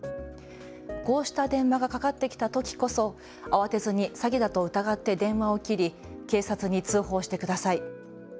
こうした電話がかかってきたときこそ慌てずに詐欺だと疑って電話を切り警察に通報してください。